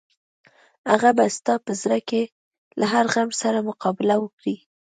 هغه به ستا په زړه کې له هر غم سره مقابله وکړي.